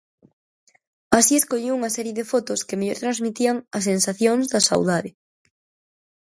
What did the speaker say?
Así escollín unha serie de fotos que mellor transmitían as sensacións da saudade.